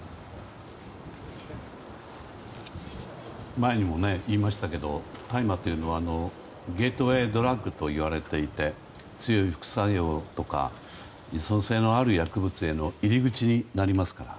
前にも言いましたけど大麻というのはゲートウェイドラッグといわれていて強い副作用とか依存性のある薬物への入り口になりますから。